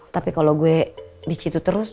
tapi kalo gue disitu terus